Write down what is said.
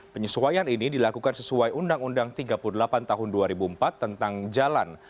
penyesuaian ini dilakukan sesuai undang undang tiga puluh delapan tahun dua ribu empat tentang jalan